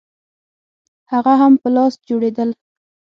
هغه هم په لاس جوړېدل